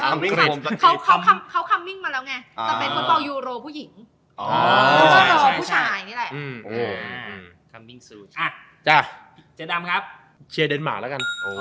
ทำไมต้องเป็นเดนมาร์ค